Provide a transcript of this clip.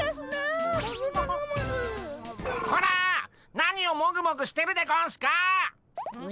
何をもぐもぐしてるでゴンスかっ！